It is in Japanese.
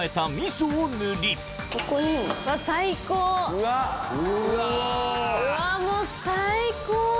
うわっもう最高！